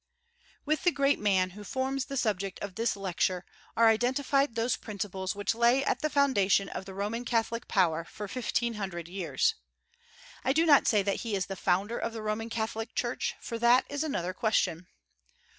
With the great man who forms the subject of this Lecture are identified those principles which lay at the foundation of the Roman Catholic power for fifteen hundred years. I do not say that he is the founder of the Roman Catholic Church, for that is another question.